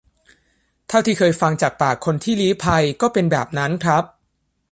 เท่าที่เคยฟังจากปากคนที่ลี้ภัย ก็เป็นแบบนั้นครับ